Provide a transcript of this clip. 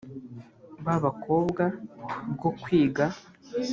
b abakobwa bwo kwiga